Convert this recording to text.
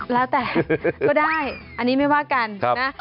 แล้วแต่ก็ได้อันนี้ไม่ว่ากันนะ